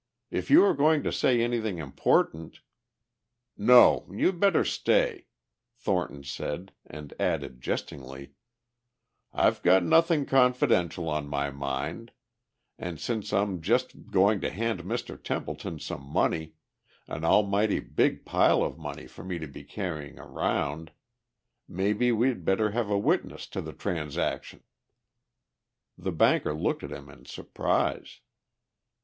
"If you are going to say anything important ..." "No, you'd better stay," Thornton said, and added jestingly: "I've got nothing confidential on my mind, and since I'm just going to hand Mr. Templeton some money, an almighty big pile of money for me to be carrying around, maybe we'd better have a witness to the transaction." The banker looked at him in surprise.